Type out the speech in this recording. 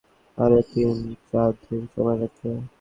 কাজ শেষ করে বাড়ি ফিরতে গৌরীর আরও তিন-চার দিন সময় লাগবে।